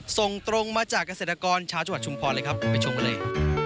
ส่งตรงมาจากเกษตรกรชาวจัวรรดิ์ชุมพรไปชมกันเลย